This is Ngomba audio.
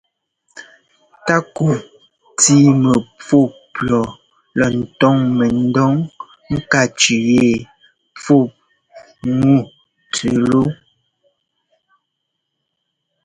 Takɔ ntíi mɛfú pʉɔ lɔ ńtɔ́ŋ mɛdɔŋ ŋká tsʉʉ yɛ pfúŋu tsɛttu.